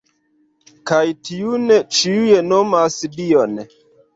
Kaj tiun ĉiuj nomas Dion”.